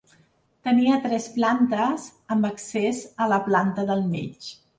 Tenia tres plantes, amb accés a la planta del mig.